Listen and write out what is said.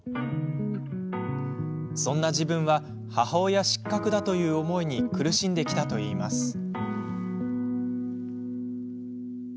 そんな自分は母親失格だという思いに苦しんできたといいます。